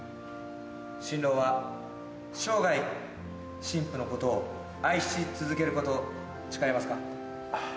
新郎は生涯新婦のことを愛し続けることを誓いますか？